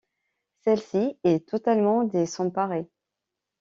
Celle-ci est totalement désemparée.